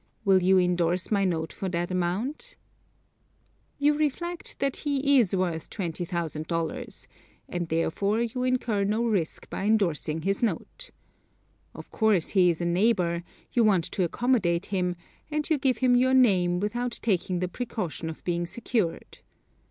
Will you endorse my note for that amount?" You reflect that he is worth $20,000, and, therefore, you incur no risk by endorsing his note. Of course, he is a neighbor; you want to accommodate him, and you give him your name without taking the precaution of being secured.